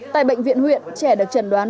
tại bệnh viện huyện trẻ được chẩn đoán